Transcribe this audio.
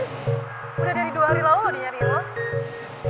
udah dari dua hari lalu lo dinyariin man